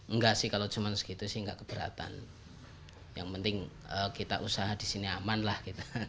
enggak sih kalau cuman segitu sih gak keberatan yang penting kita usaha disini aman lah